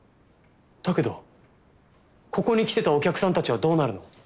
だけどここに来てたお客さんたちはどうなるの？